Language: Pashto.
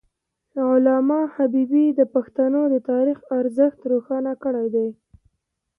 علامه حبيبي د پښتنو د تاریخ ارزښت روښانه کړی دی.